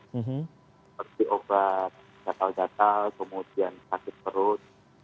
seperti obat jatal jatal kemudian sakit perut